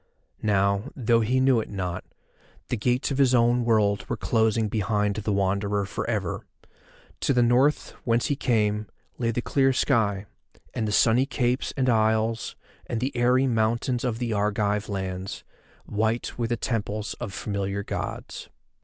Now, though he knew it not, the gates of his own world were closing behind the Wanderer for ever. To the North, whence he came, lay the clear sky, and the sunny capes and isles, and the airy mountains of the Argive lands, white with the temples of familiar Gods.